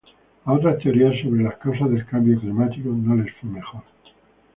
A otras teorías sobre las causas del cambio climático no les fue mejor.